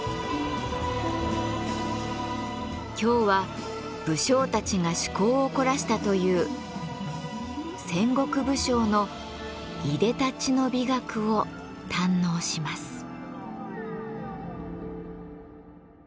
今日は武将たちが趣向を凝らしたという戦国武将のいでたちの美学を堪能します。